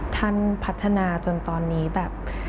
ท่านพัฒนาจนตอนนี้แบบ